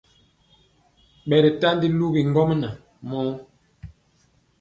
Ɓɛri ntandi luwi ŋgwoma mɔ.